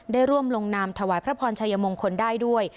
ได้ร่วมลงนามถวายพระพรชัยมงคลได้ด้วย